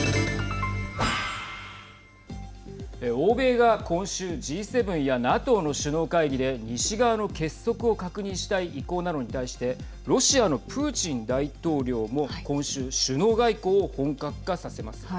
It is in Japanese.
欧米が今週Ｇ７やＮＡＴＯの首脳会議で西側の結束を確認したい意向なのに対してロシアのプーチン大統領も今週首脳外交を本格化させます。